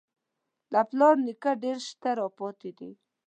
له پلار نیکه ډېر شته پاتې دي.